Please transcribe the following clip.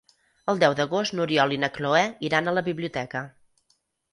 El deu d'agost n'Oriol i na Cloè iran a la biblioteca.